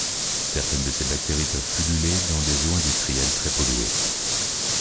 Certaines de ces bactéries peuvent pulluler dans des eaux industrielles très polluées.